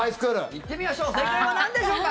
行ってみましょう正解はなんでしょうか？